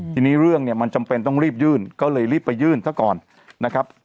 ทีนี้เรื่องเนี่ยมันจำเป็นต้องรีบยื่นก็เลยรีบไปยื่นซะก่อนนะครับ